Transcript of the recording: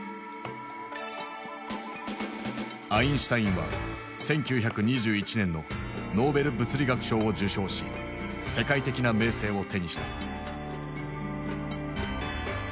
アインシュタインは１９２１年のノーベル物理学賞を受賞し世界的な名声を手にした。